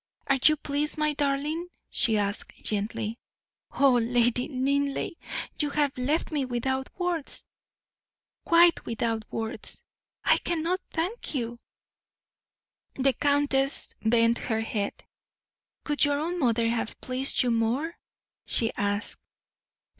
"Are you pleased, my darling?" she asked, gently. "Oh, Lady Linleigh, you have left me without words quite without words! I cannot thank you." The countess bent her head. "Could your own mother have pleased you more?" she asked.